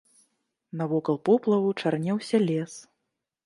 Навокал поплаву чарнеўся лес.